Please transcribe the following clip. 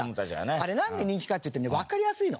あれなんで人気かっていうとねわかりやすいの。